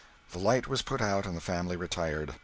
The light was put out, and the family retired.